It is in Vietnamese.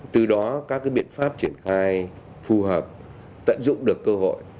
từ đó các biện pháp triển khai phù hợp tận dụng được cơ hội